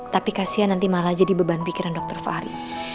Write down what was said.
tapi kasian nanti malah jadi beban pikiran dokter fahri